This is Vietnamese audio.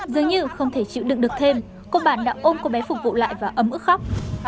dường như không thể chịu đựng được thêm cô bản đã ôm cô bé phục vụ lại và ấm ức khóc